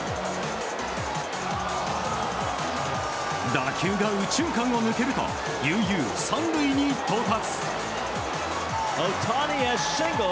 打球が右中間を抜けると悠々、３塁に到達。